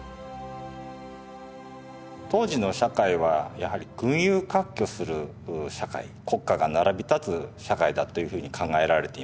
当時の社会はやはり群雄割拠する社会国家が並び立つ社会だというふうに考えられています。